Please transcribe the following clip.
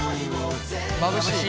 まぶしい。